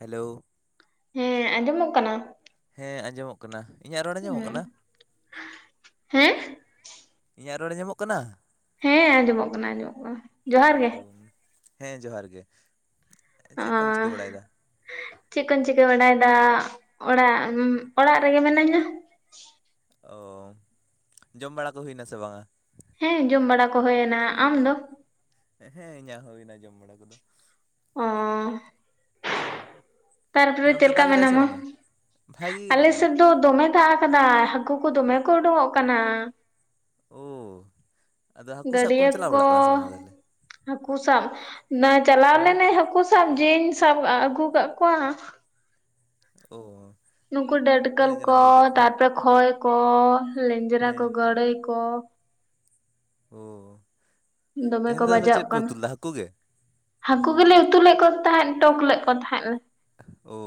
Hello ᱦᱮᱸ ᱟᱸᱡᱚᱢᱚᱜ ᱠᱟᱱᱟ ᱦᱮᱸ ᱟᱸᱡᱚᱢᱚᱜ ᱠᱟᱱᱟ, ᱤᱧᱟᱹᱜ ᱨᱚᱲ ᱟᱸᱡᱚᱢᱚᱜ ᱦᱩᱸ ᱠᱟᱱᱟ? ᱦᱮᱸ ᱤᱧᱟᱹᱜ ᱨᱚᱲ ᱟᱸᱡᱚᱢᱚᱜ ᱠᱟᱱᱟ ᱦᱮᱸ ᱟᱸᱡᱚᱢᱚᱜ ᱠᱟᱱᱟ ᱟᱸᱡᱚᱢᱚᱜ ᱠᱟᱱᱟ ᱡᱚᱦᱟᱨ ᱜᱮ ᱩᱢ, ᱦᱮᱸ ᱡᱚᱦᱟᱨ ᱜᱮ ᱚ, ᱪᱮᱫ ᱠᱚᱢ ᱪᱤᱠᱟᱹ ᱵᱟᱲᱟᱭᱮᱫᱟ ᱪᱮᱫ ᱠᱚᱢ ᱪᱤᱠᱟᱹ ᱵᱟᱰᱟᱭᱮᱫᱟ? ᱚᱲᱟᱜ, ᱚᱲᱟᱜ ᱨᱮᱜᱮ ᱢᱤᱱᱟᱹᱧᱟ ᱚ, ᱡᱚᱢ ᱵᱟᱲᱟ ᱠᱚ ᱦᱩᱭᱱᱟ ᱥᱮ ᱵᱟᱝᱟ ᱦᱮᱸ ᱡᱚᱢ ᱵᱟᱲᱟ ᱠᱚ ᱦᱩᱭᱱᱟ᱾ ᱟᱢ ᱫᱚ? ᱦᱮᱸ ᱤᱧᱟᱹᱜ ᱦᱩᱭ ᱮᱱᱟ ᱡᱚᱢ ᱵᱟᱲᱟ ᱠᱚᱫᱚ ᱚ ᱛᱟᱨᱯᱚᱨᱮ ᱦᱮᱸ ᱚᱱᱛᱮ ᱪᱮᱫᱞᱮᱠᱟ ᱫᱟᱜ ᱮᱫᱟᱭ ᱥᱮ ᱢᱮᱱᱟᱢᱟ? ᱵᱟᱝᱟ ᱵᱷᱟᱜᱤ ᱜᱮ ᱟᱞᱮ ᱢᱤᱱᱟᱹᱧᱟ ᱥᱮᱫ ᱫᱚ ᱫᱚᱢᱮ ᱫᱟᱜ ᱠᱟᱫᱟᱭ ᱦᱟᱹᱠᱩ ᱠᱚ ᱫᱚᱢᱮ ᱠᱚ ᱩᱰᱩᱠᱚᱜ ᱠᱟᱱᱟ ᱚ, ᱟᱫᱚ ᱦᱟᱹᱠᱩ ᱥᱟᱵ ᱠᱚᱢ ᱜᱟᱹᱰᱭᱟᱹ ᱪᱟᱞᱟᱣ ᱠᱚ ᱵᱟᱲᱟᱜ ᱠᱟᱱᱟ ᱥᱮ ᱵᱟᱝᱟ ᱛᱟᱦᱞᱮ? ᱦᱟᱹᱠᱩ ᱥᱟᱵ, ᱚᱱᱟ ᱪᱟᱞᱟᱣ ᱦᱳᱭ ᱞᱮᱱᱟ ᱦᱟᱹᱠᱩ ᱥᱟᱵ ᱡᱮᱧ ᱥᱟᱵ ᱟᱜᱩ ᱠᱟᱜ ᱠᱚᱣᱟ ᱚ ᱱᱩᱠᱩ ᱰᱟᱹᱴᱠᱟᱞ ᱠᱚ ᱛᱟᱨᱯᱚᱨᱮ ᱠᱷᱚᱭ ᱠᱚ ᱞᱮᱧᱡᱨᱟ ᱠᱚ ᱦᱮᱸ ᱜᱟᱹᱲᱟᱹᱭ ᱠᱚ ᱚ ᱫᱚᱢᱮ ᱠᱚ ᱵᱟᱡᱟᱜ ᱠᱟᱱᱟ ᱦᱟᱹᱠᱩ ᱜᱮ ᱦᱟᱹᱠᱩ ᱜᱮᱞᱮ ᱩᱛᱩ ᱞᱮᱫ ᱠᱚᱣᱟ ᱛᱟᱦᱮᱸᱫ ᱴᱚᱠ ᱞᱮᱫ ᱠᱚ ᱛᱟᱦᱮᱸᱫ ᱞᱮ ᱚ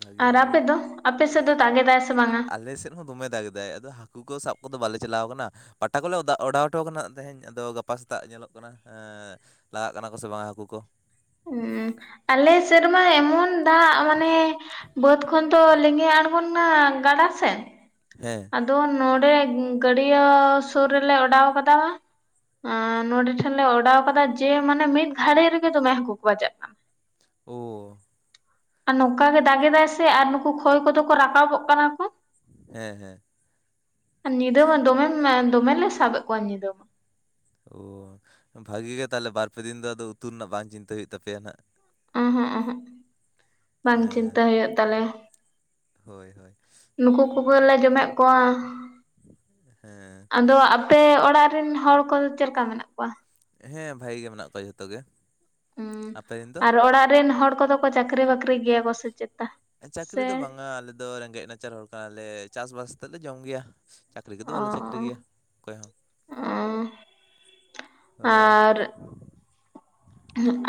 ᱵᱷᱟᱜᱮ ᱟᱨ ᱵᱷᱟᱜᱮ ᱟᱯᱮ ᱫᱚ ᱟᱯᱮ ᱫᱚ ᱫᱟᱜ ᱮᱫᱟᱭ ᱥᱮ ᱵᱟᱝᱟ ᱟᱞᱮ ᱥᱮᱫ ᱦᱚᱸ ᱫᱚᱢᱮ ᱫᱟᱜ ᱮᱫᱟᱭ ᱟᱫᱚ ᱦᱟᱹᱠᱩ ᱠᱚ ᱥᱟᱵ ᱠᱚᱫᱚ ᱵᱟᱞᱮ ᱪᱟᱞᱟᱣ ᱠᱟᱱᱟ ᱯᱟᱴᱟ ᱠᱚᱞᱮ ᱚᱰᱟᱣ ᱦᱚᱴᱚ ᱠᱟᱱᱟ ᱛᱮᱦᱮᱧ ᱟᱫᱚ ᱜᱟᱯᱟ ᱥᱮᱛᱟᱜ ᱧᱮᱞᱚᱜ ᱠᱟᱱᱟ ᱞᱟᱜᱟᱜ ᱠᱟᱱᱟ ᱠᱚ ᱥᱮ ᱵᱟᱝᱟ ᱦᱟᱹᱠᱩ ᱠᱚ ᱦ ᱟᱞᱮ ᱥᱮᱨᱢᱟ ᱮᱢᱚᱱ ᱫᱟᱜ ᱢᱟᱱᱮ ᱵᱟᱹᱫᱽ ᱠᱷᱚᱱ ᱛᱚ ᱞᱮᱸᱜᱮ ᱟᱬᱜᱚᱱᱟ ᱜᱟᱰᱟ ᱥᱮᱱ ᱦᱮᱸ ᱟᱫᱚ ᱱᱚᱰᱮ ᱜᱟᱺᱰᱭᱟᱹ ᱥᱩᱨ ᱨᱮᱞᱮ ᱚᱰᱟᱣ ᱠᱟᱫᱟ ᱱᱚᱰᱮ ᱴᱷᱮᱱ ᱞᱮ ᱚᱰᱟᱣ ᱠᱟᱫᱟ ᱡᱮ ᱢᱟᱱᱮ ᱢᱤᱫ ᱜᱷᱟᱹᱲᱤᱡ ᱨᱮᱜᱮ ᱫᱚᱢᱮ ᱦᱟᱹᱠᱩ ᱠᱚ ᱵᱟᱡᱟᱜ ᱠᱟᱱᱟ ᱚ ᱟᱨ ᱱᱚᱝᱠᱟᱜ ᱜᱮ ᱫᱟᱜ ᱮᱫᱟᱭ ᱥᱮ ᱟᱨ ᱱᱩᱠᱩ ᱠᱷᱚᱭ ᱠᱚᱫᱚ ᱠᱚ ᱨᱟᱠᱟᱵᱚᱜ ᱠᱟᱱᱟ ᱠᱚ ᱦᱮᱸ ᱦᱮᱸ ᱧᱤᱫᱟᱹ ᱢᱟ ᱫᱚᱢᱮ ᱫᱚᱢᱮᱞᱮ ᱥᱟᱵᱮᱫ ᱠᱚᱣᱟ ᱧᱤᱫᱟᱹ ᱢᱟ ᱚ ᱵᱷᱟᱹᱜᱤ ᱜᱮ ᱛᱟᱦᱚᱞᱮ ᱵᱟᱨ ᱯᱮ ᱫᱤᱱ ᱫᱚ ᱟᱫᱚ ᱩᱛᱩ ᱨᱮᱱᱟᱜ ᱵᱟᱝ ᱪᱤᱱᱛᱟᱹ ᱦᱩᱭᱩᱜ ᱛᱟᱯᱮᱭᱟ ᱱᱟᱦ ᱚ ᱦᱚᱸ ᱚ ᱦᱚᱸᱵᱟᱝ ᱪᱤᱱᱛᱟᱹ ᱦᱩᱭᱩᱜ ᱛᱟᱞᱮᱭᱟ ᱦᱚᱭ ᱦᱚᱭ ᱱᱩᱠᱩ ᱠᱚ ᱜᱮᱞᱮ ᱡᱚᱢᱮᱫ ᱠᱚᱣᱟ ᱦᱮᱸ ᱟᱫᱚ ᱟᱯᱮ ᱚᱲᱟᱜ ᱚᱲᱟᱜ ᱨᱮᱱ ᱦᱚᱲ ᱠᱚᱫᱚ ᱪᱮᱫ ᱞᱮᱠᱟ ᱢᱮᱱᱟᱜ ᱠᱚᱣᱟ ᱦᱮᱸ ᱵᱷᱟᱜᱤ ᱜᱮ ᱢᱮᱱᱟᱜ ᱠᱚᱣᱟ ᱡᱷᱚᱛᱚ ᱜᱮ ᱦᱩᱹ ᱟᱯᱮ ᱨᱮᱱ ᱫᱚ ᱟᱨ ᱚᱲᱟᱜ ᱨᱮᱱ ᱦᱚᱲ ᱠᱚᱫᱚ ᱠᱚ ᱪᱟᱹᱠᱨᱤ ᱵᱟᱹᱠᱨᱤ ᱜᱮᱭᱟ ᱠᱚ ᱥᱮ ᱪᱮᱫ ᱪᱟᱹᱠᱨᱤ ᱫᱚ ᱵᱟᱝ ᱟ ᱟᱞᱮ ᱫᱚ ᱨᱮᱸᱜᱮᱡ ᱱᱟᱪᱟᱨ ᱦᱚᱲ ᱠᱟᱱᱟᱞᱮ ᱪᱟᱥᱵᱟᱥ ᱛᱮᱫ ᱞᱮ ᱡᱚᱢ ᱜᱮᱭᱟ ᱪᱟᱹᱠᱨᱤ ᱠᱚᱫᱚ ᱚ ᱵᱟᱞᱮ ᱪᱟᱹᱠᱨᱤ ᱜᱮᱭᱟ ᱚᱠᱚᱭ ᱦᱚᱸ ᱚᱸ ᱦᱚᱭ ᱟᱨ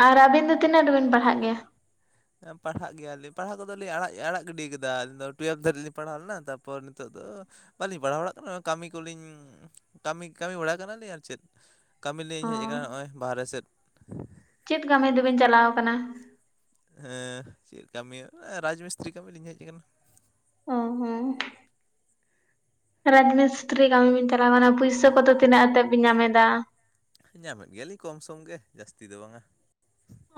ᱟᱨ ᱟᱹᱵᱤᱱ ᱫᱚ ᱛᱤᱱᱟᱹᱜ ᱨᱮᱵᱤᱱ ᱯᱟᱲᱦᱟᱜ ᱜᱮᱭᱟ ᱯᱟᱲᱦᱟᱜ ᱜᱮᱭᱟᱞᱤᱧ ᱯᱟᱲᱦᱟᱜ ᱠᱚᱫᱚᱞᱤᱧ ᱟᱲᱟᱜ ᱟᱲᱟᱜ ᱜᱤᱰᱤ ᱠᱟᱫᱟ ᱟᱹᱞᱤᱧ ᱫᱚ ᱴᱩᱭᱮᱞᱵᱷ ᱫᱷᱟᱹᱨᱤᱡ ᱞᱤᱧ ᱯᱟᱲᱦᱟᱣ ᱞᱮᱱᱟ ᱛᱟᱨᱯᱚᱨ ᱱᱤᱛᱚᱜ ᱵᱟᱹᱞᱤᱧ ᱯᱟᱲᱦᱟᱣ ᱵᱟᱲᱟᱜ ᱠᱟᱱᱟ ᱠᱟᱹᱢᱤ ᱠᱚᱞᱤᱧ ᱠᱟᱹᱢᱤ ᱠᱟᱹᱢᱤ ᱵᱟᱲᱟ ᱠᱟᱱᱟᱞᱤᱧ ᱟᱨ ᱪᱮᱫ ᱠᱟᱹᱢᱤ ᱚ ᱞᱤᱧ ᱦᱮᱡ ᱠᱟᱱᱟ ᱱᱚᱜᱼᱚᱭ ᱵᱟᱦᱨᱮ ᱥᱮᱫ ᱪᱮᱫ ᱠᱟᱹᱢᱤ ᱫᱚᱵᱤᱱ ᱪᱟᱞᱟᱣ ᱠᱟᱱᱟ ᱦᱮᱸ ᱪᱮᱫ ᱠᱟᱹᱢᱤ ᱨᱟᱡᱽ ᱢᱤᱥᱛᱨᱤ ᱠᱟᱹᱢᱤ ᱞᱤᱧ ᱦᱮᱡ ᱠᱟᱱᱟ ᱚ ᱦᱚᱸ ᱨᱟᱡᱽᱢᱤᱥᱛᱨᱤ ᱠᱟᱹᱢᱤ ᱵᱤᱱ ᱪᱟᱞᱟᱣ ᱠᱟᱱᱟ ᱯᱩᱭᱥᱟᱹ ᱠᱚᱫᱚ ᱛᱤᱱᱟᱹᱜ ᱟᱛᱮᱫ ᱵᱤᱱ ᱧᱟᱢ ᱮᱫᱟ ᱧᱟᱢᱮᱫ ᱜᱮᱭᱟᱞᱤᱧ ᱠᱚᱢ ᱥᱚᱢ ᱜᱮ ᱡᱟᱹᱥᱛᱤ ᱫᱚ ᱵᱟᱝᱼᱟ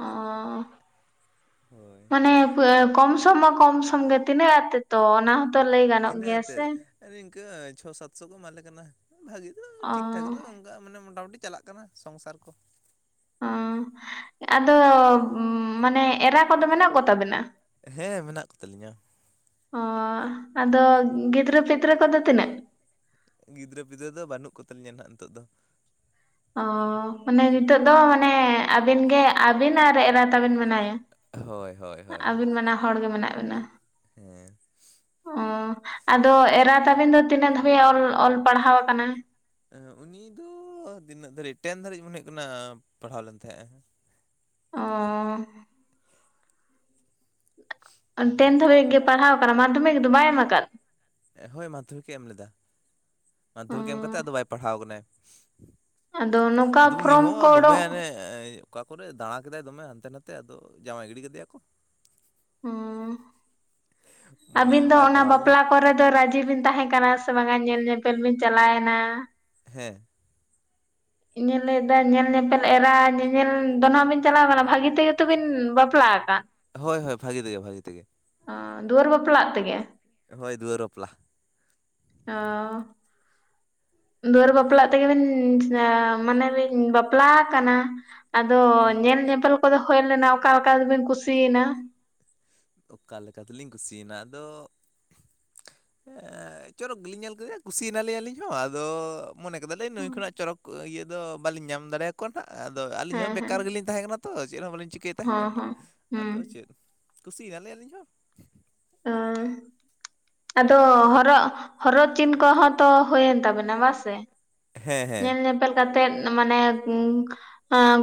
ᱚ ᱦᱳᱭ ᱢᱟᱱᱮ ᱠᱚᱢ ᱥᱚᱢ ᱢᱟ ᱠᱚᱢ ᱥᱚᱢ ᱜᱮ ᱛᱤᱱᱟᱹᱜ ᱟᱛᱮ ᱛᱚ ᱚᱱᱟ ᱦᱚᱸᱛᱚ ᱞᱟᱹᱭ ᱜᱟᱱᱚᱜ ᱜᱮᱭᱟ ᱥᱮ ᱟᱹ ᱪᱷᱚ ᱥᱟᱛᱥᱚ ᱠᱚ ᱮᱢᱟᱞᱮ ᱠᱟᱱᱟ ᱵᱷᱟᱜᱤ ᱫᱚ ᱚ ᱴᱷᱤᱠ ᱴᱷᱟᱠ ᱫᱚ ᱚᱱᱠᱟ ᱢᱟᱱᱮ ᱢᱚᱴᱟᱢᱩᱴᱤ ᱪᱟᱞᱟᱜ ᱠᱟᱱᱟ ᱥᱚᱝᱥᱟᱨ ᱠᱚ ᱚ ᱟᱫᱚ ᱢᱟᱱᱮ ᱮᱨᱟ ᱠᱚᱫᱚ ᱢᱮᱱᱟᱜ ᱠᱚ ᱛᱟᱵᱮᱱᱟ ᱦᱮᱸ ᱢᱮᱱᱟᱜ ᱠᱚ ᱛᱟᱞᱤᱧᱟ ᱚᱻ ᱟᱫᱚ ᱜᱤᱫᱽᱨᱟᱹ ᱯᱤᱫᱽᱨᱟᱹ ᱠᱚᱫᱚ ᱛᱤᱱᱟᱹᱜ ᱜᱤᱫᱽᱨᱟᱹ ᱯᱤᱫᱽᱨᱟᱹ ᱫᱚ ᱵᱟᱹᱱᱩᱜ ᱠᱚ ᱛᱟᱞᱤᱧᱟ ᱦᱟᱜ ᱱᱤᱛᱚᱜ ᱫᱚ ᱚ ᱢᱟᱱᱮ ᱱᱤᱛᱳᱜ ᱫᱚ ᱢᱟᱱᱮ ᱟᱹᱵᱤᱱ ᱜᱮ ᱟᱹᱵᱤᱱ ᱟᱨ ᱮᱨᱟ ᱛᱟᱵᱤᱱ ᱢᱮᱱᱟᱭᱟ ᱦᱳᱭ ᱦᱳᱭ ᱦᱳᱭ ᱟᱹᱵᱤᱱ ᱢᱟᱱᱟ ᱦᱚᱲ ᱜᱮ ᱢᱮᱱᱟᱜ ᱵᱤᱱᱟ ᱦᱮᱸ ᱚ ᱟᱫᱚ ᱮᱨᱟ ᱛᱟᱵᱤᱱ ᱫᱚ ᱛᱤᱱᱟᱹᱜ ᱫᱷᱟᱹᱵᱤᱡ ᱚᱞ ᱯᱟᱲᱦᱟᱣ ᱠᱟᱱᱟ ᱩᱱᱤ ᱫᱚ ᱛᱤᱱᱟᱹᱜ ᱫᱷᱟᱹᱨᱤᱡ ᱴᱮᱱ ᱫᱷᱟᱹᱨᱤᱡ ᱢᱚᱱᱮ ᱦᱩᱭᱩᱜ ᱠᱟᱱᱟ ᱯᱟᱲᱦᱟᱣ ᱞᱮᱱ ᱛᱟᱦᱮᱸᱼᱟᱭ ᱚ ᱴᱮᱱᱫᱷᱟᱵᱤᱡ ᱫᱷᱟᱹᱵᱤᱡ ᱜᱮ ᱯᱟᱲᱦᱟᱣ ᱠᱟᱱᱟ ᱢᱟᱫᱽᱫᱷᱚᱢᱤᱠ ᱫᱚ ᱵᱟᱭ ᱮᱢ ᱟᱠᱟᱫ ᱦᱳᱭ ᱢᱟᱫᱽᱫᱷᱚᱢᱤᱠ ᱮ ᱮᱢ ᱞᱮᱫᱟ ᱢᱟᱫᱽᱫᱷᱚᱢᱤᱠ ᱮᱢ ᱠᱟᱛᱮᱫ ᱟᱫᱚ ᱵᱟᱭ ᱯᱟᱲᱦᱟᱣ ᱠᱟᱱᱟᱭ ᱟᱫᱚ ᱱᱚᱝᱠᱟ ᱟᱫᱚ ᱩᱱᱤ ᱯᱷᱨᱚᱢ ᱦᱚᱸ ᱫᱚᱢᱮ ᱠᱳᱰᱚᱜ ᱦᱟᱱᱮ ᱚᱠᱟ ᱠᱚᱨᱮ ᱫᱟᱬᱟ ᱠᱮᱫᱟᱭ ᱫᱚᱢᱮ ᱦᱟᱱᱛᱮ ᱱᱟᱛᱮ ᱟᱫᱚ ᱡᱟᱶᱟᱭ ᱜᱤᱰᱤ ᱠᱮᱫᱮᱭᱟ ᱠᱚ ᱢᱟᱱᱮ ᱟᱹᱵᱤᱱ ᱫᱚ ᱵᱟᱭ ᱚᱱᱟ ᱯᱟᱲᱦᱟᱣ ᱞᱮᱱᱟᱭ ᱵᱟᱯᱞᱟ ᱠᱚᱨᱮ ᱫᱚ ᱨᱟᱹᱡᱤ ᱵᱤᱱ ᱛᱟᱦᱮᱸ ᱠᱟᱱᱟ ᱥᱮ ᱵᱟᱝᱟ ᱧᱮᱞ ᱧᱮᱯᱮᱞ ᱵᱤᱱ ᱪᱟᱞᱟᱣᱮᱱᱟ ᱦᱮᱸ ᱤᱧ ᱞᱟᱹᱭᱫᱟ ᱧᱮᱞ ᱧᱮᱯᱮᱞ ᱮᱨᱟ ᱧᱮᱧᱮᱞ ᱫᱚ ᱦᱟᱸᱜ ᱵᱤᱱ ᱪᱟᱞᱟᱣ ᱠᱟᱱᱟ ᱵᱷᱟᱹᱜᱤ ᱛᱮᱜᱮ ᱛᱚ ᱵᱤᱱ ᱵᱟᱯᱞᱟ ᱟᱠᱟᱱ ᱦᱳᱭ ᱦᱳᱭ ᱵᱷᱟᱜᱤ ᱛᱮᱜᱮ ᱵᱷᱟᱜᱤ ᱛᱮᱜᱮ ᱚ ᱫᱩᱣᱟᱹᱨ ᱵᱟᱯᱞᱟᱜ ᱛᱮᱜᱮ ᱦᱚᱭ ᱫᱩᱣᱟᱹᱨ ᱵᱟᱯᱞᱟ ᱚ ᱫᱩᱣᱟᱹᱨ ᱵᱟᱯᱞᱟᱜ ᱛᱮᱜᱮ ᱵᱤᱱ ᱢᱟᱱᱮ ᱵᱤᱱ ᱵᱟᱯᱞᱟ ᱟᱠᱟᱱᱟ ᱟᱫᱚ ᱧᱮᱞ ᱧᱮᱯᱮᱞ ᱠᱚᱫᱚ ᱦᱩᱭ ᱞᱮᱱᱟ ᱚᱠᱟ ᱚᱠᱟ ᱨᱮᱵᱤᱱ ᱠᱩᱥᱤᱭᱮᱱᱟ ᱚᱠᱟ ᱞᱮᱠᱟ ᱛᱮᱞᱤᱧ ᱠᱩᱥᱤᱭᱮᱱᱟ ᱟᱫᱚ ᱪᱚᱨᱚᱠ ᱜᱮᱞᱤᱧ ᱧᱮᱞ ᱠᱮᱫᱮᱭᱟ ᱠᱩᱥᱤᱭᱮᱱᱟ ᱞᱤ ᱤᱧ ᱟᱹᱞᱤᱧ ᱦᱚᱸ ᱟᱫᱚ ᱢᱚᱱᱮ ᱠᱮᱫᱟ ᱞᱤᱧ ᱱᱩᱭ ᱠᱷᱚᱱᱟᱜ ᱪᱚᱨᱚᱠ ᱤᱭᱟᱹ ᱫᱚ ᱵᱟᱞᱤᱧ ᱧᱟᱢ ᱫᱟᱲᱮᱭᱟ ᱠᱚᱣᱟ ᱟᱸᱜ ᱟᱫᱚ ᱟᱹᱞᱤᱧ ᱦᱚᱸ ᱦᱮᱸ ᱦᱮᱸ ᱵᱮᱠᱟᱨ ᱜᱮᱞᱤᱧ ᱛᱟᱦᱮᱸ ᱠᱟᱱᱟ ᱛᱚ ᱪᱮᱫ ᱦᱚᱸ ᱵᱟᱹᱞᱤᱧ ᱪᱤᱠᱟᱹᱭᱮᱫ ᱦᱚᱸ ᱛᱟᱦᱮᱸᱫ ᱦᱚᱸ ᱟᱫᱚ ᱦᱩᱸ ᱪᱮᱫ ᱠᱩᱥᱤ ᱭᱮᱱᱟ ᱞᱤᱧ ᱟᱞᱤᱧ ᱦᱚᱸ ᱚ ᱟᱫᱚ ᱦᱚᱨᱚᱜ ᱦᱚᱨᱚᱜ ᱪᱤᱱ ᱠᱚᱦᱚᱸ ᱛᱚ ᱦᱩᱭᱮᱱ ᱛᱟᱵᱮᱱᱟ ᱵᱟᱝᱥᱮ ᱦᱮᱸ ᱦᱮᱸ ᱧᱮᱞ ᱧᱮᱯᱮᱞ ᱠᱟᱛᱮᱜ ᱢᱟᱱᱮ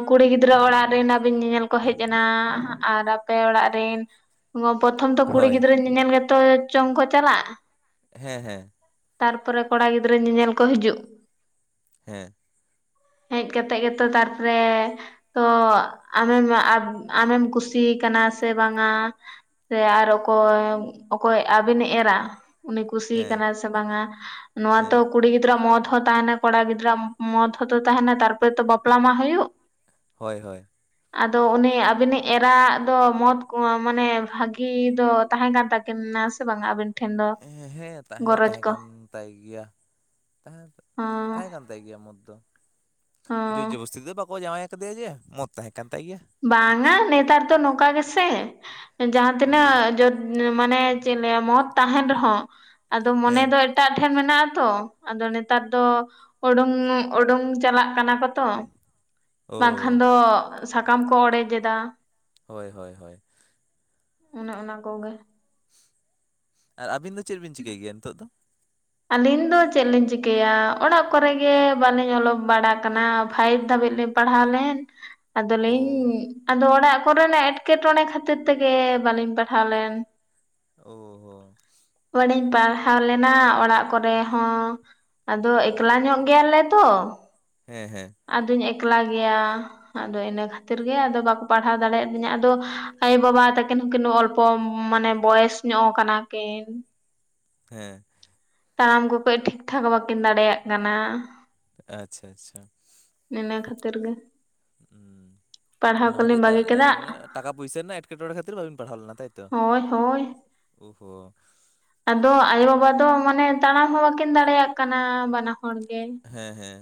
ᱠᱩᱲᱤ ᱜᱤᱫᱽᱨᱟᱹ ᱚᱲᱟᱜ ᱨᱮᱱ ᱟᱹᱵᱤᱱ ᱧᱮᱧᱮᱞ ᱠᱚ ᱦᱮᱡ ᱮᱱᱟ ᱟᱨ ᱟᱯᱮ ᱚᱲᱟᱜ ᱨᱮᱱ ᱯᱨᱚᱛᱷᱚᱢ ᱛᱚ ᱠᱩᱲᱤ ᱦᱳᱭ ᱜᱤᱫᱽᱨᱟᱹ ᱧᱮᱧᱮᱞ ᱜᱮᱛᱚ ᱪᱚᱝ ᱠᱚ ᱪᱟᱞᱟᱜ ᱦᱮᱸ ᱦᱮᱸ ᱛᱟᱨᱯᱚᱨᱮ ᱠᱚᱲᱟ ᱜᱤᱫᱽᱨᱟᱹ ᱧᱮᱧᱮᱞ ᱠᱚ ᱦᱤᱡᱩᱜ ᱦᱮᱸ [unintelligible] ᱦᱮᱡ ᱠᱟᱛᱮ ᱜᱮᱛᱚ ᱛᱟᱨ ᱯᱚᱨᱮ ᱛᱚ ᱟᱢᱮᱢ ᱟᱢᱮᱢ ᱠᱩᱥᱤ ᱟᱠᱟᱱᱟ ᱥᱮ ᱵᱟᱝᱟ ᱥᱮ ᱟᱨ ᱚᱠᱚᱭ ᱚᱠᱚᱭ ᱟᱵᱤᱱ ᱮᱨᱟ ᱩᱱᱤ ᱠᱩᱥᱤ ᱦᱮᱸ ᱠᱟᱱᱟ ᱥᱮ ᱵᱟᱝᱟ ᱱᱚᱣᱟ ᱦᱮᱸ ᱛᱚ ᱠᱩᱲᱤ ᱜᱤᱫᱽᱨᱟᱹᱣᱟᱜ ᱢᱚᱛ ᱦᱚᱸ ᱛᱟᱦᱮᱱᱟ ᱠᱚᱲᱟ ᱜᱤᱫᱽᱨᱟᱹᱣᱟᱜ ᱢᱚᱛ ᱦᱚᱸ ᱛᱚ ᱛᱟᱦᱮᱱᱟ ᱛᱟᱨᱯᱚᱨᱮ ᱛᱚ ᱵᱟᱯᱞᱟ ᱢᱟ ᱦᱩᱭᱩᱜ ᱦᱳᱭ ᱦᱳᱭ ᱟᱫᱚ ᱩᱱᱤ ᱟᱹᱵᱤᱱᱤᱡ ᱮᱨᱟᱣᱟᱜ ᱫᱚ ᱢᱚᱛ ᱢᱟᱱᱮ ᱵᱷᱟᱹᱜᱤ ᱫᱚ ᱛᱟᱦᱮᱸ ᱠᱟᱱ ᱛᱟᱹᱠᱤᱱ ᱱᱟ ᱥᱮ ᱵᱟᱝ-ᱟ ᱟᱵᱤᱱ ᱴᱷᱮᱱ ᱫᱚ ᱦᱮᱸ ᱛᱟᱦᱮᱸ ᱫᱚ ᱜᱚᱨᱚᱡᱽ ᱛᱟᱦᱮᱸ ᱠᱚ ᱠᱟᱱ ᱛᱟᱭ ᱜᱮᱭᱟ ᱛᱟᱦᱮᱸ ᱦᱚᱸ ᱛᱟᱦᱮᱸ ᱠᱟᱱ ᱛᱟᱭ ᱜᱮᱭᱟ ᱢᱚᱛ ᱡᱳᱨ ᱦᱚᱸ ᱡᱚᱵᱚᱥᱛᱤ ᱫᱚ ᱵᱟᱠᱚ ᱡᱟᱶᱟᱭ ᱠᱟᱫᱮᱭᱟ ᱡᱮ ᱢᱚᱛ ᱛᱟᱦᱮᱸ ᱠᱟᱱ ᱛᱟᱭ ᱜᱮᱭᱟ ᱵᱟᱝᱼᱟ ᱱᱮᱛᱟᱨ ᱫᱚ ᱱᱚᱝᱠᱟ ᱜᱮᱥᱮ ᱡᱟᱦᱟᱸ ᱳ ᱛᱤᱱᱟᱹᱜ ᱡᱳᱨ ᱢᱟᱱᱮ ᱪᱮᱫ ᱞᱟᱹᱭᱟ ᱢᱚᱛ ᱛᱟᱦᱮᱱ ᱨᱮᱦᱚᱸ ᱟᱫᱚ ᱢᱚᱱᱮ ᱦᱮᱸ ᱫᱚ ᱮᱴᱟᱜ ᱴᱷᱮᱱ ᱴᱷᱮᱱ ᱢᱮᱱᱟᱜ ᱛᱚ ᱟᱫᱚ ᱱᱮᱛᱟᱨ ᱫᱚ ᱩᱰᱩᱝ ᱩᱰᱩᱝ ᱪᱟᱞᱟᱜ ᱠᱟᱱᱟ ᱛᱚ ᱳ ᱵᱟᱝᱠᱷᱟᱱ ᱫᱚ ᱥᱟᱠᱟᱢ ᱠᱚ ᱚᱲᱮᱡ ᱮᱫᱟ ᱦᱳᱭ ᱦᱳᱭ ᱦᱳᱭ ᱚᱱᱮ ᱚᱱᱟ ᱠᱚᱜᱮ ᱟᱨ ᱟᱹᱵᱤᱱ ᱫᱚ ᱪᱮᱫ ᱵᱤᱱ ᱪᱤᱠᱟᱹᱭ ᱜᱮᱭᱟ ᱱᱤᱛᱚᱜ ᱫᱚ ᱟᱹᱞᱤᱧ ᱫᱚ ᱪᱮᱫ ᱞᱤᱧ ᱪᱤᱠᱟᱹᱭᱟ ᱚᱲᱟᱜ ᱠᱚᱨᱮ ᱜᱮ ᱵᱟᱹᱞᱤᱧ ᱚᱞᱚᱜ ᱵᱟᱲᱟ ᱠᱟᱱᱟ ᱯᱷᱟᱭᱤᱵᱷ ᱫᱷᱟᱵᱤᱡ ᱯᱟᱲᱦᱟᱣ ᱞᱮᱱ ᱟᱫᱚ ᱞᱤᱧ ᱚ ᱟᱫᱚ ᱚᱲᱟᱜ ᱚᱲᱟᱜ ᱠᱚᱨᱮᱱᱟᱜ ᱮᱸᱴᱠᱮᱴᱚᱬᱮ ᱠᱷᱟᱹᱛᱤᱨ ᱛᱮᱜᱮ ᱵᱟᱹᱞᱤᱧ ᱯᱟᱲᱦᱟᱣ ᱞᱮᱱ ᱳ ᱦᱳ ᱯᱟᱲᱦᱟᱣ ᱞᱮᱱᱟ ᱚᱲᱟᱜ ᱠᱚᱨᱮ ᱦᱚᱸ ᱟᱫᱚ ᱮᱠᱞᱟ ᱧᱚᱜ ᱜᱮᱭᱟᱞᱮ ᱛᱚ ᱦᱮᱸ ᱦᱮᱸ ᱟᱫᱚᱧ ᱮᱠᱞᱟ ᱜᱮᱭᱟ ᱟᱫᱚ ᱤᱱᱟᱹ ᱠᱷᱟᱹᱛᱤᱨ ᱜᱮ ᱟᱫᱚ ᱵᱟᱠᱚ ᱯᱟᱲᱦᱟᱣ ᱫᱟᱲᱮᱭᱟᱫᱤᱧᱟ ᱟᱫᱚ ᱟᱭᱳᱵᱟᱵᱟ ᱛᱟᱹᱠᱤᱱ ᱠᱤᱱ ᱚᱞᱯᱚ ᱢᱟᱱᱮ ᱵᱚᱭᱮᱥ ᱧᱚᱜ ᱠᱟᱱᱟ ᱠᱤᱱ ᱦᱮᱸ ᱛᱟᱲᱟᱢ ᱠᱚ ᱠᱟᱹᱡ ᱴᱷᱤᱠ ᱴᱷᱟᱠ ᱵᱟᱹᱠᱤᱱ ᱫᱟᱲᱮᱭᱟᱜ ᱠᱟᱱᱟ ᱾ ᱟᱪᱪᱷᱟ ᱟᱪᱪᱷᱟ ᱤᱱᱟᱹ ᱠᱷᱟᱹᱛᱤᱨ ᱜᱮ ᱾ ᱯᱟᱲᱦᱟᱣ ᱚᱱᱟ ᱠᱷᱟᱹᱛᱤᱨ ᱠᱚᱞᱤᱧ ᱵᱟᱹᱜᱤ ᱠᱮᱫᱟ ᱴᱟᱠᱟ ᱯᱚᱭᱥᱟ ᱨᱮᱱᱟᱜ ᱮᱸᱴᱠᱮᱴᱚᱚᱲᱮ ᱠᱷᱟᱹᱛᱤᱨ ᱵᱟᱹᱵᱤᱱ ᱯᱟᱲᱦᱟᱣ ᱞᱮᱱᱟ ᱛᱟᱭᱛᱚ ᱾ ᱦᱳᱭ ᱦᱳᱭ [unintelligible] ᱠᱚ ᱟᱫᱚ ᱟᱭᱳᱼᱵᱟᱵᱟ ᱫᱚ ᱢᱟᱱᱮ ᱛᱟᱲᱟᱢ ᱦᱚᱸ ᱵᱟᱹᱠᱤᱱ ᱫᱟᱲᱮᱭᱟᱜ ᱠᱟᱱᱟ ᱵᱟᱱᱟ ᱦᱚᱲ ᱜᱮ ᱾ ᱦᱮᱸ ᱦᱮᱸ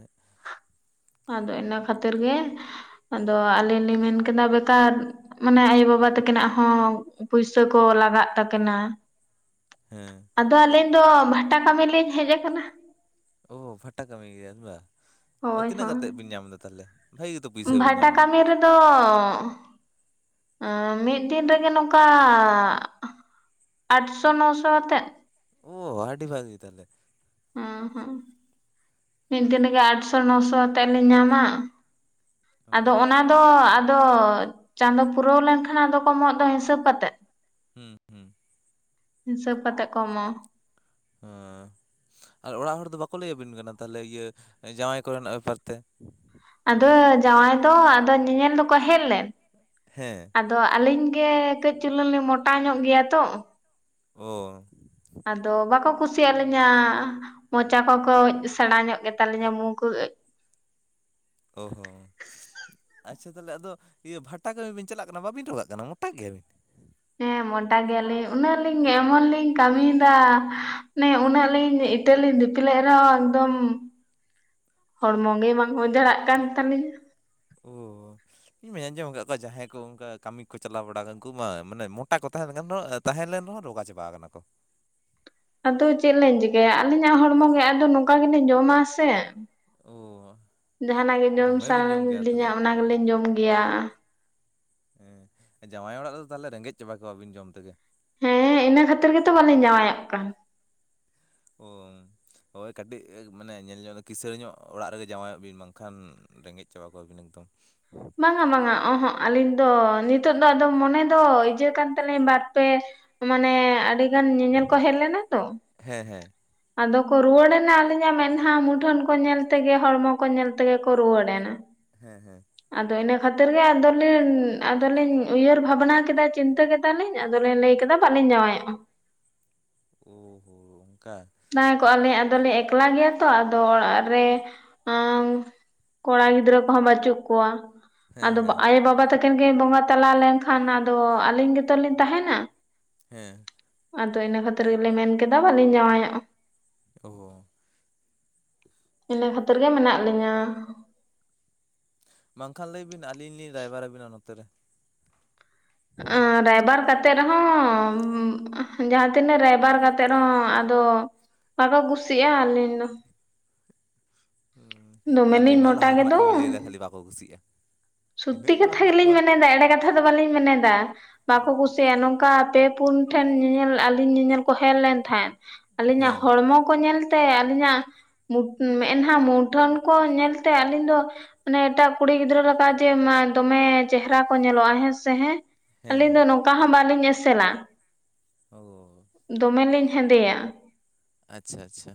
ᱟᱫᱚ ᱤᱱᱟᱹ ᱠᱷᱟᱹᱛᱤᱨ ᱜᱮ ᱾ ᱟᱫᱚ ᱟᱹᱞᱤᱧ ᱞᱤᱧ ᱢᱮᱱᱠᱮᱫᱟ ᱵᱮᱠᱟᱨ ᱢᱟᱱᱮ ᱟᱭᱳᱵᱟᱵᱟ ᱛᱟᱹᱠᱤᱱᱟᱜ ᱦᱚᱸ ᱯᱩᱭᱥᱟᱹ ᱠᱚ ᱞᱟᱜᱟᱜ ᱛᱟᱠᱤᱱᱟ ᱦᱮᱸ ᱾ ᱟᱫᱚ ᱟᱹᱞᱤᱧ ᱫᱚ ᱵᱷᱟᱴᱟ ᱠᱟᱹᱢᱤ ᱞᱤᱧ ᱦᱮᱡ ᱠᱟᱱᱟ ᱾ ᱳ ᱯᱷᱟᱴᱟ ᱠᱟᱹᱢᱤ ᱜᱮᱭᱟ ᱵᱤᱱ ᱵᱟ ᱾ ᱦᱳᱭ ᱛᱤᱱᱟᱹᱜ ᱦᱳᱭ ᱠᱟᱛᱮᱫ ᱵᱤᱱ ᱧᱟᱢᱫᱟ ᱛᱟᱦᱞᱮ ᱵᱷᱟᱹᱜᱤ ᱜᱮᱛᱚ ᱯᱩᱭᱥᱟ ᱵᱤᱱ ᱵᱷᱟᱴᱟ ᱧᱟᱢᱫᱟ ᱾ ᱠᱟᱹᱢᱤ ᱨᱮᱫᱚ ᱢᱤᱫ ᱫᱤᱱ ᱨᱮᱜᱮ ᱱᱚᱝᱠᱟ ᱾ ᱟᱴᱥᱚ ᱱᱚᱥᱚᱛᱮ ᱾ ᱚ ᱟᱹᱰᱤ ᱵᱷᱟᱜᱮ ᱛᱟᱦᱚᱞᱮ ᱾ ᱦᱸ ᱦᱮᱸ ᱢᱤᱫ ᱫᱤᱱᱜᱮ ᱟᱴᱥᱚ ᱱᱚᱥᱚ ᱠᱟᱛᱮ ᱞᱮ ᱧᱟᱢᱟ ᱾ ᱟᱫᱚ ᱦᱩᱸ ᱚᱱᱟ ᱫᱚ ᱟᱫᱚ ᱪᱟᱸᱫᱚ ᱯᱩᱨᱟᱹᱣ ᱞᱮᱱᱠᱷᱟᱱ ᱟᱫᱚ ᱠᱚᱢᱚᱜ ᱫᱚ ᱦᱤᱥᱟᱹᱵ ᱠᱟᱛᱮᱜ ᱾ ᱦᱮᱸ ᱦᱮᱸ ᱦᱤᱥᱟᱹᱵ ᱠᱟᱛᱮ ᱠᱚ ᱮᱢᱚᱜ ᱟ ᱾ ᱚ ᱟᱨ ᱚᱲᱟᱜ ᱦᱚᱲ ᱫᱚ ᱵᱟᱠᱚ ᱞᱟᱹᱭ ᱟᱹᱵᱤᱱ ᱠᱟᱱᱟ ᱛᱟᱦᱞᱮ ᱤᱭᱟᱹ ᱡᱟᱶᱟᱭ ᱠᱚᱨᱮᱱᱟᱜ ᱵᱮᱯᱟᱨ ᱛᱮ ᱾ ᱟᱫᱚ ᱡᱟᱶᱟᱭ ᱫᱚ ᱟᱫᱚ ᱧᱮᱧᱮᱞ ᱫᱚᱠᱚ ᱦᱮᱡ ᱞᱮᱱ ᱦᱮᱸ ᱟᱫᱚ ᱟᱹᱞᱤᱧ ᱜᱮ ᱠᱟᱹᱡ ᱪᱩᱞᱟᱹᱝ ᱞᱮ ᱢᱚᱴᱟ ᱧᱚᱜ ᱜᱮᱭᱟ ᱛᱚ ᱚ ᱾ ᱟᱫᱚ ᱵᱟᱠᱚ ᱠᱩᱥᱤᱭᱟᱜ ᱞᱤᱧᱟ ᱢᱚᱪᱟ ᱠᱚᱠᱚ ᱥᱮᱬᱟ ᱧᱚᱜ ᱜᱮᱛᱟᱞᱤᱧᱟ ᱢᱩᱠᱚ ᱾ ᱦ [unintelligible] ᱚ ᱦᱚᱸ ᱟᱪᱪᱷᱟ ᱛᱟᱦᱚᱞᱮ ᱟᱫᱚ ᱤᱭᱟᱹ ᱵᱷᱟᱴᱟ ᱠᱟᱹᱢᱤ ᱵᱤᱱ ᱪᱟᱞᱟᱜ ᱠᱟᱱᱟ ᱵᱟᱵᱤᱱ ᱨᱚᱜᱟᱜ ᱠᱟᱱᱟ ᱢᱚᱴᱟ ᱜᱮ ᱻ [inaudible] ᱦᱮᱸ ᱢᱚᱴᱴᱟ ᱜᱮᱭᱟᱞᱤᱧ ᱩᱱᱟᱹᱜ ᱞᱤᱧ ᱮᱢᱚᱱ ᱞᱤᱧ ᱠᱟᱹᱢᱤᱭᱮᱫᱟ ᱢᱟᱱᱮ ᱩᱱᱟᱹᱜ ᱞᱤᱧ ᱤᱴᱟᱹ ᱞᱤᱧ ᱫᱤᱯᱞᱟᱹᱜ ᱨᱮᱦᱚᱸ ᱮᱠᱫᱚᱢ ᱦᱚᱲᱢᱚ ᱜᱮ ᱵᱟᱝ ᱚ ᱡᱟᱲᱟᱜ ᱠᱟᱱ ᱛᱟᱞᱤᱧ ᱟ ᱾ ᱚᱻ ᱤᱧ ᱟᱸᱡᱚᱢ ᱟᱠᱟᱫ ᱠᱚᱣᱟ ᱡᱟᱦᱟᱸᱭ ᱠᱚ ᱚᱱᱠᱟ ᱠᱟᱹᱢᱤ ᱠᱚ ᱪᱟᱞᱟᱣ ᱵᱟᱲᱟ ᱩᱱᱠᱩ ᱢᱟ ᱢᱟᱱᱮ ᱢᱚᱴᱟ ᱠᱚ ᱛᱟᱦᱮᱸ ᱞᱮᱱᱠᱷᱟᱱ ᱛᱟᱦᱮᱸ ᱞᱮᱱ ᱨᱮᱦᱚᱸ ᱨᱳᱜᱟ ᱪᱟᱵᱟ ᱠᱟᱱᱟ ᱠᱚ ᱾ ᱟᱫᱚ ᱪᱮᱫ ᱞᱮᱧ ᱪᱤᱠᱟᱭᱟ ᱟᱹᱞᱤᱧᱟᱜ ᱦᱚᱲᱢᱚ ᱜᱮ ᱟᱫᱚ ᱱᱚᱝᱠᱟ ᱜᱮᱞᱮᱧ ᱡᱚᱢᱟ ᱥᱮ ᱚ ᱡᱟᱦᱟᱱᱟᱜ ᱜᱮ ᱡᱚᱢ ᱫᱚᱢᱮ ᱥᱟᱱᱟ ᱵᱤᱱ ᱡᱚᱢ ᱜᱮᱭᱟ ᱞᱤᱧᱟ ᱛᱟᱦᱚᱞᱮ ᱚᱱᱟ ᱜᱮᱞᱤᱮᱧ ᱡᱚᱢ ᱜᱮᱭᱟ ᱾ ᱦᱮᱸ ᱡᱟᱶᱟᱭ ᱚᱲᱟᱜ ᱨᱮᱫᱚ ᱛᱟᱦᱚᱞᱮ ᱨᱮᱸᱜᱮᱡ ᱪᱟᱵᱟ ᱠᱚᱜᱣᱟᱵᱤᱱ ᱡᱚᱢ ᱛᱮᱜᱮ ᱾ ᱦᱮᱸ ᱤᱱᱟᱹ ᱠᱷᱟᱹᱛᱤᱨ ᱜᱮᱛᱚ ᱵᱟᱞᱮ ᱡᱟᱶᱟᱭᱚᱜ ᱠᱟᱱ ᱾ ᱚ ᱦᱳᱭ ᱠᱟᱹᱴᱤᱡ ᱢᱟᱱᱮ ᱧᱮᱞ ᱧᱚᱜ ᱫᱚ ᱠᱤᱥᱟᱹᱬ ᱧᱚᱜ ᱚᱲᱟᱜ ᱨᱮᱜᱮ ᱡᱟᱶᱟᱭᱚᱜ ᱵᱤᱱ ᱵᱟᱝᱠᱷᱟᱱ ᱨᱮᱸᱜᱮᱡ ᱪᱟᱵᱟ ᱠᱚᱣᱟᱵᱤᱱ ᱾ ᱮᱫᱚᱢ ᱵᱟᱝᱟ ᱵᱟᱝᱟ ᱚᱦᱚᱸ ᱟᱹᱞᱤᱧ ᱫᱚ ᱱᱤᱛᱚᱜ ᱫᱚ ᱟᱫᱚ ᱢᱚᱱᱮ ᱫᱚ ᱤᱭᱟᱹ ᱠᱟᱱ ᱛᱟᱹᱞᱤᱧ ᱵᱟᱨ ᱯᱮ ᱢᱟᱱᱮ ᱟᱹᱰᱤ ᱜᱟᱱ ᱧᱮᱧᱮᱞ ᱠᱚ ᱦᱮᱡ ᱞᱮᱱᱟ ᱛᱚ ᱦᱮᱸ ᱦᱮᱸ ᱟᱫᱚ ᱠᱚ ᱨᱩᱣᱟᱹᱲᱮᱱᱟ ᱟᱹᱞᱤᱧᱟᱜ ᱢᱮᱫᱦᱟ ᱢᱩᱴᱷᱟᱹᱱ ᱠᱚ ᱧᱮᱞ ᱛᱮᱜᱮ ᱦᱚᱲᱢᱚ ᱠᱚ ᱧᱮᱞ ᱛᱮᱜᱮ ᱠᱚ ᱨᱩᱣᱟᱹᱲᱱᱟ ᱦᱮᱸ ᱦᱮᱸ ᱠᱷᱟᱹᱛᱤᱨ ᱜᱮ ᱟᱫᱚᱞᱤᱧ ᱩᱭᱦᱟᱹᱨ ᱵᱷᱟᱵᱽᱱᱟ ᱠᱮᱫᱟ ᱪᱤᱱᱛᱟᱹ ᱠᱮᱫᱟᱞᱤᱧ ᱟᱫᱚᱞᱤᱧ ᱞᱟᱹᱭ ᱠᱮᱫᱟ ᱵᱟᱞᱤᱧ ᱡᱟᱶᱟᱭᱚᱜᱼᱟ᱾ ᱳ ᱦᱳ ᱚᱱᱠᱟ ᱛᱟᱦᱮᱸ ᱠᱚᱜ ᱟᱞᱮ ᱟᱫᱚᱞᱮ ᱮᱠᱞᱟ ᱜᱮᱭᱟ ᱛᱚ ᱟᱫᱚ ᱚᱲᱟᱜ ᱨᱮ ᱝ ᱠᱚᱲᱟ ᱜᱤᱫᱽᱨᱟᱹ ᱠᱚᱦᱚᱸ ᱵᱟᱹᱪᱩᱜ ᱠᱚᱣᱟ ᱦᱮᱸ ᱟᱫᱚ ᱦᱮᱸ ᱟᱭᱳᱵᱟᱵᱟ ᱛᱟᱠᱚ ᱟᱹᱠᱤᱱ ᱠᱤᱱ ᱵᱚᱸᱜᱟ ᱛᱟᱞᱟ ᱞᱮᱱᱠᱷᱟᱱ ᱟᱫᱚ ᱟᱹᱞᱤᱧ ᱜᱮᱛᱚᱞᱚᱞᱤᱧ ᱛᱟᱦᱮᱱᱟ ᱦᱮᱸ ᱟᱫᱚ ᱤᱱᱟᱹ ᱠᱷᱟᱹᱛᱤᱨ ᱜᱮᱞᱤᱱ ᱢᱮᱱ ᱠᱮᱫᱟ ᱵᱟᱟᱹᱞᱤᱧ ᱡᱟᱶᱟᱭᱚᱜ ᱮ ᱜᱚ ᱤᱱᱟᱹ ᱠᱷᱟᱹᱛᱤᱨ ᱜᱮ ᱢᱮᱱᱟᱜ ᱞᱤᱧᱟ ᱵᱟᱝ ᱠᱷᱟᱱ ᱞᱟᱹᱭ ᱵᱤᱱ ᱟᱹᱞᱤᱧ ᱞᱤᱧ ᱨᱟᱭᱵᱟᱨ ᱟᱵᱤᱱᱟ ᱱᱚᱛᱮ ᱨᱮ ᱚᱻ ᱨᱟᱭᱵᱟᱨ ᱠᱟᱛᱮᱜ ᱨᱮᱦᱚᱸ ᱡᱟᱦᱟᱸ ᱛᱤᱱᱟᱹᱜ ᱨᱟᱭᱵᱟᱨ ᱠᱟᱛᱮᱜ ᱨᱮᱦᱚᱸ ᱟᱫᱚ, ᱵᱟᱠᱚ ᱠᱩᱥᱤᱜᱼᱟ ᱟᱞᱤᱧ ᱫᱚ ᱦᱚᱻ ᱟᱵᱤᱱ ᱫᱚᱢᱮᱞᱤᱧ ᱢᱟ ᱢᱚᱴᱟ ᱞᱟᱦᱟ ᱠᱷᱚᱱᱟᱜ ᱜᱮᱫᱚ ᱜᱮ ᱵᱤᱱ ᱞᱟᱹᱭᱫᱟ ᱠᱷᱟᱹᱞᱤ ᱵᱟᱠᱚ ᱠᱩᱥᱤᱜᱼᱟ ᱥᱚᱛᱛᱤ ᱛᱤᱱᱟᱹᱜ ᱠᱚᱲᱟ ᱠᱟᱛᱷᱟ ᱢᱮᱱᱟᱜ ᱜᱮᱞᱤᱧ ᱠᱚᱣᱟ ᱢᱮᱱᱮᱫᱟ ᱮᱲᱮ ᱠᱟᱛᱷᱟ ᱫᱚ ᱵᱟᱞᱤᱧ ᱢᱮᱱᱮᱫᱫᱟ ᱵᱟᱠᱚ ᱠᱩᱥᱤᱭᱟᱜᱼᱟ ᱱᱚᱝᱠᱟ ᱟᱯᱮ ᱯᱩᱱ ᱴᱷᱮᱱ ᱧᱮᱧᱮᱞ ᱟᱞᱤᱧ ᱧᱮᱧᱮᱞ ᱠᱚ ᱦᱮᱡ ᱞᱮᱱ ᱛᱟᱸᱦᱮᱸ ᱟᱞᱤᱧᱟᱜ ᱦᱮᱸ ᱦᱚᱲᱢᱚ ᱠᱚ ᱧᱮᱞ ᱛᱮᱸ ᱟᱹᱞᱤᱧᱟᱜ ᱢᱩ ᱢᱮᱫᱦᱟᱸ ᱢᱩᱴᱷᱟᱹᱱ ᱠᱚ ᱧᱮᱞᱛᱮ ᱟᱹᱞᱤᱧ ᱫᱚ ᱢᱟᱱᱮ ᱮᱴᱟᱜ ᱠᱩᱲᱤ ᱜᱤᱫᱽᱨᱟᱹ ᱨᱟᱯᱟᱜ ᱮᱫᱟᱭ ᱛᱮᱸ ᱢᱟ ᱫᱚᱢᱮ ᱪᱮᱦᱨᱟ ᱠᱚ ᱧᱮᱞᱚᱜᱼᱟ ᱦᱮᱸᱻ ᱥᱮᱸᱻ ᱦᱮᱸ ᱦᱮᱸ ᱟᱹᱞᱤᱧ ᱫᱚ ᱦᱮᱸ ᱱᱚᱝᱠᱟ ᱦᱚᱸ ᱵᱟᱟᱹᱞᱤᱧ ᱮᱥᱮ ᱥᱮᱞᱟ, ᱚ ᱫᱚᱢᱮ ᱞᱤᱧ ᱦᱮᱸᱫᱮᱭᱟ ᱟᱪᱪᱷᱟᱻᱟᱪᱪᱷᱟ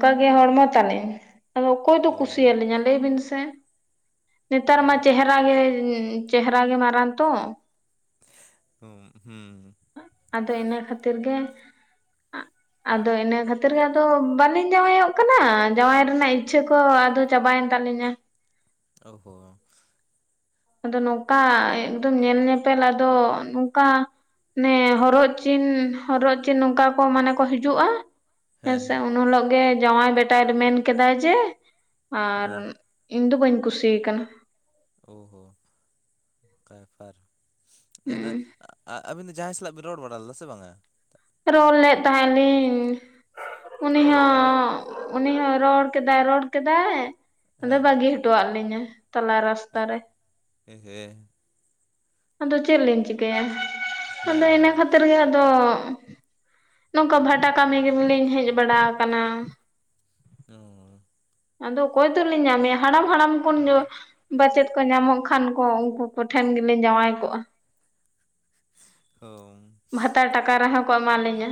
ᱚᱱᱠᱟᱜ ᱜᱮ ᱦᱚᱲᱢᱚ ᱛᱟᱞᱤᱧ ᱟᱫᱚ ᱚᱠᱚᱭ ᱫᱚ ᱚ ᱠᱩᱥᱤᱭᱟᱞᱤᱧᱟ ᱞᱟᱹᱭ ᱵᱤᱱ ᱥᱮ ᱱᱮᱛᱟᱨ ᱢᱟ ᱪᱮᱦᱨᱟ ᱜᱮ ᱪᱮᱦᱨᱟ ᱜᱮ ᱢᱟᱨᱟᱝ ᱛᱚ ᱚᱸ ᱦᱩᱸ ᱟᱫᱚ ᱤᱱᱟᱹ ᱠᱷᱟᱹᱛᱤᱨ ᱜᱮ, ᱟᱜ ᱟᱫᱚ ᱤᱱᱟᱹ ᱠᱷᱟᱹᱛᱤᱨ ᱜᱮ ᱟᱫᱚ ᱵᱟᱹᱞᱤᱧ ᱡᱟᱶᱟᱭᱚᱜ ᱠᱟᱱᱟ ᱡᱟᱶᱟᱭ ᱨᱮᱱᱟᱜ ᱤᱪᱪᱷᱟᱹ ᱠᱚ ᱟᱫᱚ ᱪᱟᱵᱟᱭᱮᱱ ᱫᱟᱸᱞᱤᱧᱟ ᱚᱸᱻᱦᱚᱸᱻ ᱟᱫᱚ ᱱᱚᱝᱠᱟ ᱮᱸᱠ ᱫᱚᱢ ᱧᱮᱞ ᱧᱮᱯᱮᱞ ᱟᱫᱚ ᱱᱚᱝᱠᱟ ᱢᱮ ᱦᱚᱨᱚᱜ ᱪᱤᱱ ᱻᱦᱚᱨᱚᱜ ᱪᱤᱱ ᱱᱚᱝᱠᱟ ᱠᱚ ᱢᱟᱱᱮ ᱠᱚ ᱦᱤᱡᱩᱜᱼᱟ ᱦᱮᱸ ᱦᱮᱸᱥᱮᱸ ᱦᱮᱸ ᱩᱱ ᱦᱤᱞᱳᱜ ᱜᱮ ᱡᱟᱶᱟᱭ ᱵᱮᱴᱟᱭ ᱢᱮᱱ ᱠᱮᱫᱟᱭ ᱡᱮ ᱟᱨ ᱦᱮᱸ ᱤᱧ ᱫᱚ ᱵᱟᱹᱧ ᱠᱩᱥᱤᱭ ᱠᱟᱱᱟ ᱚᱸ ᱦᱚᱸ ᱠᱟᱨ ᱯᱟᱨ ᱱᱮᱥ ᱫᱚ ᱟᱵᱤᱱ ᱡᱟᱦᱟᱸᱭ ᱥᱟᱞᱟᱜ ᱵᱮᱱ ᱨᱚᱲ ᱵᱟᱲᱟ ᱞᱮᱫᱟ ᱥᱮ ᱵᱟᱝᱼᱟ ᱨᱚᱲ ᱞᱮᱫ ᱛᱟᱦᱮᱸᱜ ᱞᱤᱧ ᱩᱱᱤ ᱚ ᱦᱚᱸ ᱟᱫᱚ ᱩᱱᱤ ᱦᱚᱸᱭ ᱨᱚᱲ ᱠᱮᱫᱟᱭ ᱨᱚᱲ ᱠᱮᱫᱟᱭ ᱟᱫᱚᱭ ᱦᱮᱸ ᱵᱟᱹᱜᱤ ᱦᱚᱴᱚ ᱟᱫ ᱞᱤᱧᱟ ᱛᱞᱟ ᱨᱟᱥᱛᱟ ᱨᱮ ᱦᱮᱸᱻᱮ ᱟᱫᱚ ᱪᱮᱫ ᱞᱤᱧ ᱪᱤᱠᱟᱹᱭᱟ ᱦᱮᱸ ᱟᱫᱚ ᱤᱱᱟᱹ ᱦᱮᱸ ᱠᱷᱟᱹᱛᱤᱨ ᱜᱮ ᱟᱫᱚ ᱱᱚᱝᱠᱟ ᱵᱷᱟᱴᱟ ᱠᱟᱹᱢᱤ ᱜᱮ ᱞᱤᱧ ᱦᱮᱡ ᱵᱟᱲᱟ ᱟᱠᱟᱱᱟ ᱚᱸ ᱟᱫᱚ ᱚᱠᱚᱭ ᱫᱚ ᱞᱤᱧ ᱧᱟᱢᱮᱭᱟ ᱦᱟᱲᱟᱢᱻᱦᱟᱲᱟᱢ ᱠᱷᱚᱱ ᱵᱟᱪᱮᱫ ᱠᱚ ᱧᱟᱢᱚᱜ ᱠᱷᱟᱱ ᱠᱚ ᱩᱱᱠᱩ ᱠᱩᱴᱷᱮᱱ ᱜᱮ ᱞᱤᱧ ᱡᱟᱶᱟᱭ ᱠᱚᱜᱼᱟ ᱵᱷᱟᱛᱟᱨ ᱴᱟᱠᱟ ᱨᱮᱦᱚᱸ ᱠᱚ ᱮᱢᱟ ᱞᱤᱧᱟ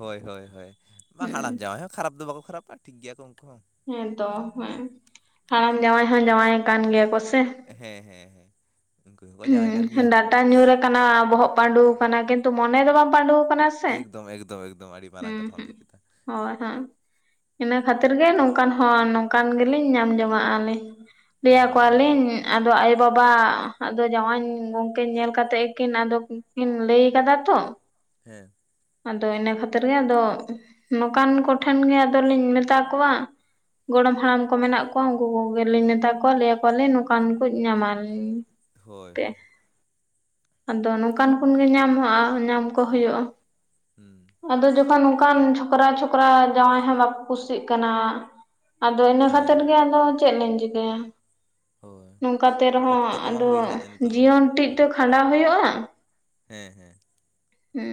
ᱦᱳᱭᱻᱦᱳᱭᱻᱦᱳᱭ ᱢᱟ ᱦᱟᱲᱟᱢ ᱦᱮᱸ ᱡᱟᱶᱟᱭ ᱦᱚᱸ ᱠᱷᱟᱨᱟᱯ ᱫᱚ ᱵᱟᱠᱚ ᱠᱷᱟᱨᱟᱯᱟ ᱴᱷᱤᱠ ᱜᱮᱭᱟ ᱠᱚ ᱩᱱᱠᱩ ᱦᱚᱸ ᱦᱮᱸᱛᱚ ᱦᱮᱸ ᱦᱟᱲᱟᱢ ᱡᱟᱶᱟᱭ ᱦᱚᱸ ᱡᱟᱶᱟᱭ ᱠᱟᱱ ᱜᱮᱭᱟ ᱠᱚ ᱥᱮ ᱦᱮᱸᱻᱦᱮᱸᱻᱦᱮᱸ ᱦᱮᱸ ᱰᱟᱴᱟ ᱧᱩᱨ ᱟᱠᱟᱱᱟ ᱵᱚᱦᱚᱜ ᱯᱸᱹᱰᱩᱣ ᱠᱟᱱᱟ ᱠᱤᱱᱛᱩ ᱢᱚᱱᱮ ᱫᱚ ᱵᱟᱝ ᱯᱟᱸᱹᱰᱩᱣ ᱟᱠᱟᱱᱟ ᱥᱮ ᱮᱠᱫᱚᱢᱻᱮᱠᱫᱚᱢᱻᱮᱠᱫᱚᱢ ᱟᱹᱰᱤ ᱦᱩᱸ ᱢᱟᱨᱟᱝ ᱠᱟᱛᱷᱟᱢ ᱦᱩᱸ ᱞᱟᱹᱭ ᱠᱮᱫᱟ ᱦᱳᱭ ᱦᱳᱭ ᱤᱱᱟᱹ ᱠᱷᱟᱹᱛᱤᱨ ᱜᱮ ᱱᱚᱝᱠᱟᱱ ᱦᱚᱸ ᱱᱚᱝᱠᱟᱱ ᱜᱮᱞᱤᱧ ᱧᱟᱢ ᱡᱚᱝᱟᱜᱼᱟᱞᱤᱧ ᱞᱟᱹᱭ ᱟᱠᱚ ᱦᱳᱭ ᱦᱳᱭ ᱟᱞᱤᱧ ᱟᱫᱚ ᱟᱭᱳᱼᱵᱟᱵᱟ ᱟᱫᱚ ᱡᱟᱶᱟᱭ ᱜᱚᱝᱠᱮ ᱧᱮᱞ ᱠᱟᱛᱮ ᱜᱮᱠᱤᱱ ᱟᱫᱚ ᱠᱤᱱ ᱞᱟᱹᱭ ᱟᱠᱟᱫᱟ ᱛᱚ ᱦᱮᱸ ᱟᱫᱚ ᱤᱱᱟᱹ ᱠᱷᱟᱹᱛᱤᱨ ᱜᱮ ᱟᱫᱚ ᱱᱚᱝᱠᱟᱱ ᱠᱚᱴᱷᱮᱱ ᱜᱮ ᱟᱫᱚᱞᱤᱧ ᱢᱮᱛᱟ ᱠᱚᱣᱟ ᱜᱚᱲᱚᱢ ᱦᱟᱲᱟᱢ ᱠᱚ ᱢᱮᱱᱟᱜ ᱠᱚᱣᱟ ᱩᱱᱠᱩ ᱠᱚᱜᱮᱞᱮ ᱱᱮᱛᱟ ᱠᱚᱣᱟ ᱞᱟᱹᱭ ᱟᱠ ᱠᱚᱣᱟᱞᱮ ᱱᱚᱝᱠᱟᱱ ᱠᱚ ᱧᱟᱢᱟᱞᱟᱞᱤᱧ ᱦᱳᱭ ᱦᱳᱭ ᱟᱫᱚ ᱱᱚᱝᱠᱟᱱ ᱠᱩᱱᱜᱮ ᱧᱟᱢ ᱦᱚᱸ ᱧᱟᱢ ᱠᱚ ᱦᱩᱭᱩᱜᱼᱟ ᱦᱩᱸ ᱟᱫᱚ ᱡᱚᱠᱷᱚᱱ ᱚᱱᱠᱟᱱ ᱪᱷᱚᱠᱨᱟ ᱪᱷᱚᱠᱨᱟ ᱡᱟᱶᱟᱭ ᱦᱚᱸ ᱵᱟᱠᱚ ᱠᱩᱥᱤᱜ ᱠᱟᱱᱟ ᱟᱫᱚ ᱤᱱᱟᱹ ᱠᱟᱛᱮ ᱦᱮᱸ ᱜᱮ ᱪᱮᱫ ᱞᱤᱧ ᱪᱤᱠᱟᱹᱭᱟ ᱦᱳᱭ ᱱᱚᱝᱠᱟᱛᱮ ᱨᱮᱦᱚᱸ ᱚᱠᱛᱚ ᱠᱚᱢᱟ ᱟᱫᱚ ᱦᱩᱭ ᱦᱮᱡ ᱮᱱ ᱛᱟᱞᱟᱝ ᱡᱤᱭᱚᱱ ᱴᱤᱡ ᱛᱮ ᱠᱷᱟᱸᱰᱟᱣ ᱦᱩᱭᱩᱜᱼᱟ ᱦᱮᱸ ᱦᱮᱸ